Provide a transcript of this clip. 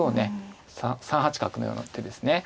３八角のような手ですね。